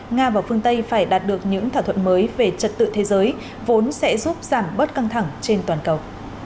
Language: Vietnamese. nga và phương tây phải đạt được những thỏa thuận mới về trật tự thế giới vốn sẽ giúp giảm bớt căng thẳng trên toàn cầu